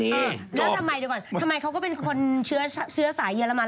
แล้วทำไมดีกว่าทำไมเขาก็เป็นคนเชื้อสายเยอรมัน